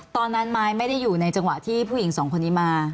ตอนนั้นไม้ไม่ได้อยู่ในจังหวะที่ผู้หญิงสองคนนี้มา